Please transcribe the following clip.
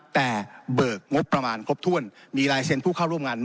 แต่เบิกงบประมาณครบถ้วนมีลายเซ็นต์ผู้เข้าร่วมงาน